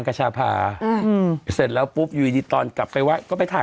กระชาพาอืมเสร็จแล้วปุ๊บอยู่ดีตอนกลับไปวัดก็ไปถ่าย